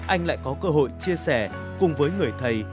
anh lại có cơ hội chia sẻ cùng với người thầy